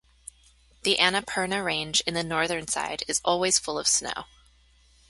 The Annapurna Range in the northern side is always full of snow.